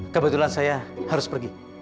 kebetulan saya harus pergi